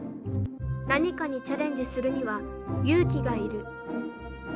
何かにチャレンジするには勇気が要る。